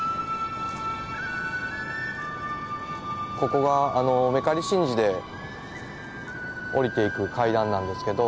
ここが和布刈神事で下りていく階段なんですけど。